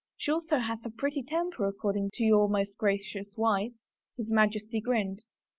She also hath a pretty temper according to your most gracious wife.^' His Majesty grinned.